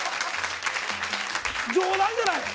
冗談じゃない！